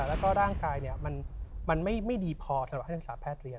แล้วก็ร่างกายเนี่ยมันไม่ดีพอสำหรับทางศาสตร์แพทย์เรียน